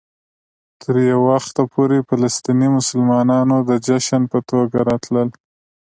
تر یو وخته پورې فلسطيني مسلمانانو د جشن په توګه راتلل.